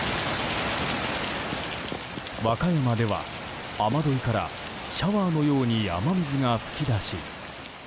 和歌山では雨どいからシャワーのように雨水が噴き出し。